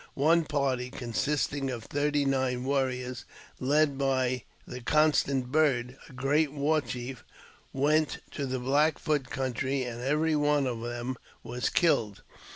One party, consisting of thirty nine warriors, led by the Constant Bird, a great war chief, went to the Black Foot country, and every one of them was killed.